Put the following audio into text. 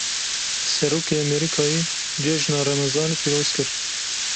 Serokê Emerîkayê, cejna remezanê pîroz kir